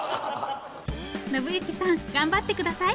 信行さん頑張って下さい！